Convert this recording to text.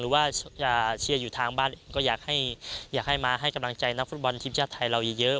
หรือว่าเชียร์อยู่ทางบ้านก็อยากให้มาให้กำลังใจนักฟุตบอลทีมชาติไทยเราเยอะ